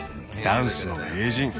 ダンスの名人。